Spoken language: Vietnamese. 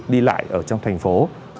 đi lại ở trong thành phố